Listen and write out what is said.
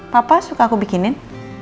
papa suka aku bikinin